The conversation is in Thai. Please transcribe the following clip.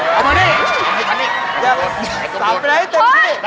สอบไปเดินเจ็บทิ้ง